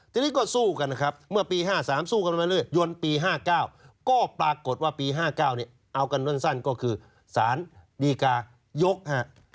ทีนี้ก็สู้กันนะครับเมื่อปี๕๓สู้กันมาเรื่อยยนต์ปี๕๙ก็ปรากฏว่าปี๕๙เนี่ยเอากันสั้นก็คือสารดีกายกฮะ